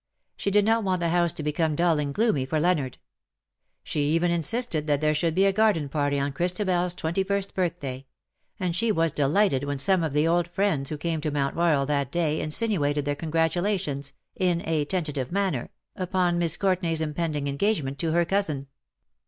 She did not want the house to become dull and gloomy for Leonard. She even insisted that there should be a garden party on Christabel's twenty first birthday ; and she was delighted when some of the old friends who came to Mount Royal that day insinuated their congratulations, in a tentative manner,, upon Miss Courtenay's impending engage ment to her cousin.